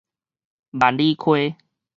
萬里溪